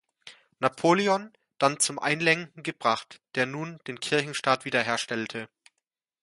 Napoleon dann zum Einlenken gebracht, der nun den Kirchenstaat wiederherstellte.